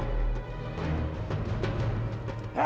kamu lihat saya lepaskan